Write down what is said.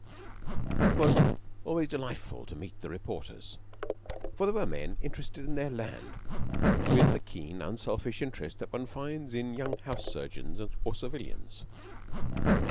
It was always delightful to meet the reporters, for they were men interested in their land, with the keen, unselfish interest that one finds in young house surgeons or civilians.